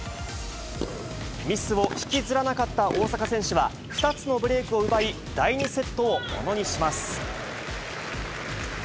ミスを引きずらなかった大坂選手は、２つのブレークを奪い、第２セットをものにします。